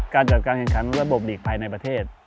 การจัดการแข่งขันระบบหลีกภัยในประเทศ